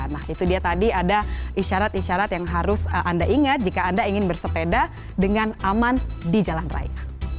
nah itu dia tadi ada isyarat isyarat yang harus anda ingat jika anda ingin bersepeda dengan aman di jalan raya